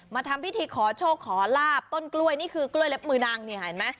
ทำพิธีขอโชคขอลาบต้นกล้วยนี่คือกล้วยเล็บมือนางนี่เห็นไหม